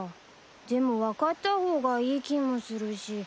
でも分かった方がいい気もするし。